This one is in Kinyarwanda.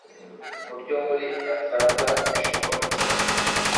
uburyo muri Atlata bishoboka cyane